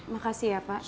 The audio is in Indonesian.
makasih ya pak